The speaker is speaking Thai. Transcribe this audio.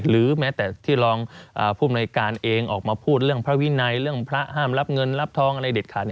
แม้แต่ที่รองผู้อำนวยการเองออกมาพูดเรื่องพระวินัยเรื่องพระห้ามรับเงินรับทองอะไรเด็ดขาด